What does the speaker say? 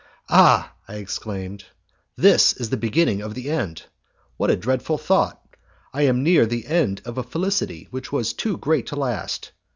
"Ah!" I exclaimed, "this is the beginning of the end! What a dreadful thought! I am near the end of a felicity which was too great to last!